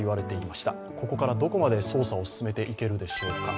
ここからどこまで捜査を進めていけるでしょうか。